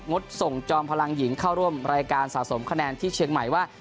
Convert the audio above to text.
ดส่งจอมพลังหญิงเข้าร่วมรายการสะสมคะแนนที่เชียงใหม่ว่า